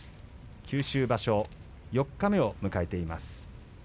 九州場所、四日目を迎えています。